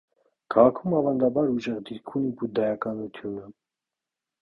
Քաղաքում ավանդաբար ուժեղ դիրք ունի բուդդայականությունը։